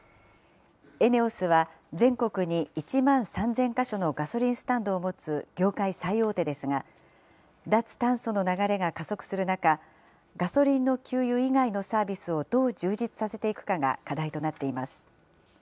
ＥＮＥＯＳは全国に１万３０００か所のガソリンスタンドを持つ業界最大手ですが、脱炭素の流れが加速する中、ガソリンの給油以外のサービスをどう充実させていくかが課題となっています。